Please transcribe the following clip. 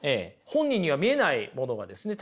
本人には見えないものがですね